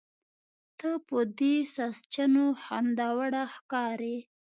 ته په دې ساسچنو خنداوړه ښکارې.